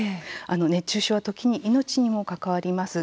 熱中症は時に命にも関わります。